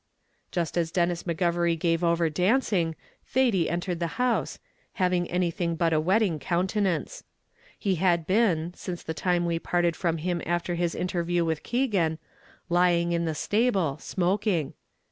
Just as Denis McGovery gave over dancing, Thady entered the house, having anything but a wedding countenance. He had been, since the time we parted from him after his interview with Keegan, lying in the stable, smoking.